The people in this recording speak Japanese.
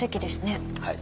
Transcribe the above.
はい。